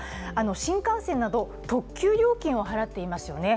新幹線など特急料金を払っていますよね。